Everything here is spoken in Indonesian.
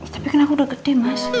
tapi kan aku udah gede mas